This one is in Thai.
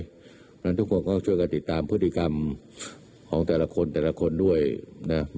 เพราะฉะนั้นทุกคนก็ช่วยกันติดตามพฤติกรรมของแต่ละคนแต่ละคนด้วยนะ